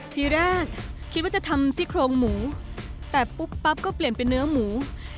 ทีแรกคิดว่าจะทำซี่โครงหมูแต่ปุ๊บปั๊บก็เปลี่ยนเป็นเนื้อหมู